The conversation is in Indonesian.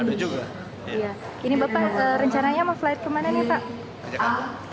delay berapa menit nih pak